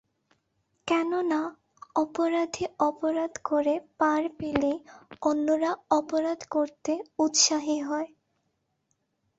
কেননা, অপরাধী অপরাধ করে পার পেলেই অন্যরা অপরাধ করতে উৎসাহী হয়।